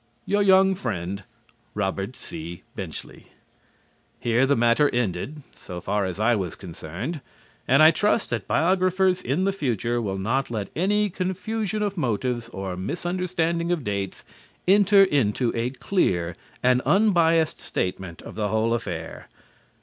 Your young friend, ROBERT C. BENCHLEY. Here the matter ended so far as I was concerned, and I trust that biographers in the future will not let any confusion of motives or misunderstanding of dates enter into a clear and unbiased statement of the whole affair.